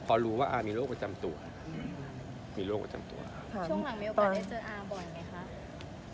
พอรู้ว่าอามีโรคประจำตัวมีโรคประจำตัวค่ะช่วงหลังมีโอกาสได้เจออาบ่อยไหมคะ